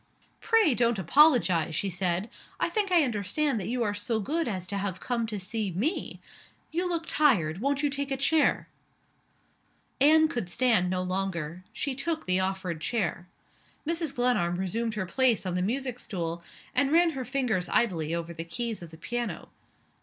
"Pray don't apologize," she said. "I think I understand that you are so good as to have come to see me. You look tired. Won't you take a chair?" Anne could stand no longer. She took the offered chair. Mrs. Glenarm resumed her place on the music stool, and ran her fingers idly over the keys of the piano.